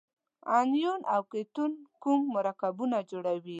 انیون او کتیون کوم مرکبونه جوړوي؟